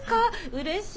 うれしい！